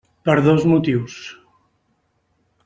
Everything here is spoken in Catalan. Per dos motius.